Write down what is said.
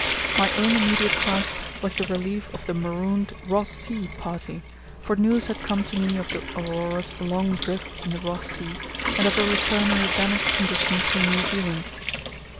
My own immediate task was the relief of the marooned Ross Sea party, for news had come to me of the Aurora's long drift in the Ross Sea and of her return in a damaged condition to New Zealand.